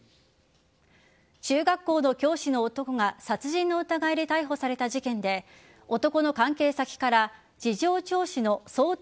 中学校の教師の男が殺人の疑いで逮捕された事件で男の関係先から事情聴取の想定